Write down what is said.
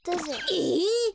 えっ！？